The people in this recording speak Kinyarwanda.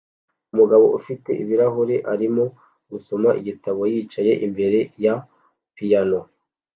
Umugabo ufite ibirahure arimo gusoma igitabo yicaye imbere ya piyano